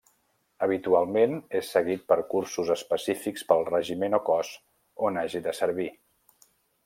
Habitualment és seguit per cursos específics pel regiment o cos on hagi de servir.